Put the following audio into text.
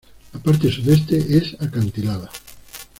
La parte sudeste es acantilada.